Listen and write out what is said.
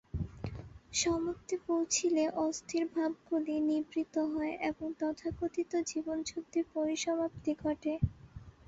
সমত্বে পৌঁছিলে অস্থির ভাবগুলি নিবৃত্ত হয় এবং তথাকথিত জীবনযুদ্ধের পরিসমাপ্তি ঘটে।